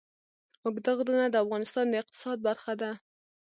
اوږده غرونه د افغانستان د اقتصاد برخه ده.